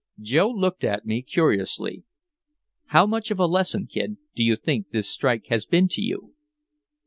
Joe looked at me curiously: "How much of a lesson, Kid, do you think this strike has been to you?"